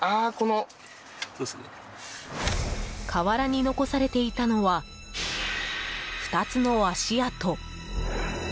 瓦に残されていたのは２つの足跡。